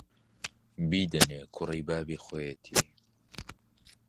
بیدەنێ، کوڕی بابی خۆیەتی